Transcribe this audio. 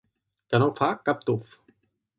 Que no fa cap tuf.